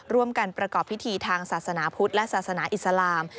ประกอบพิธีทางศาสนาพุทธและศาสนาอิสลาม